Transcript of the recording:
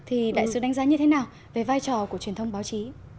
thì đại sứ đánh giá như thế nào về vai trò của truyền thông báo chí